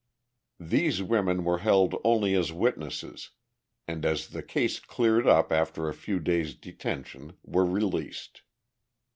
These women were held only as witnesses, and as the case cleared up after a few days' detention, were released.